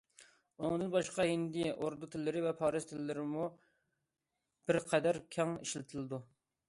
ئۇنىڭدىن باشقا، ھىندى- ئوردۇ تىللىرى ۋە پارس تىللىرىمۇ بىر قەدەر كەڭ ئىشلىتىلىدۇ.